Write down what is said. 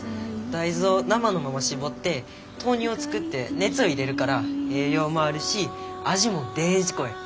大豆を生のまま搾って豆乳を作って熱を入れるから栄養もあるし味もデージ濃い。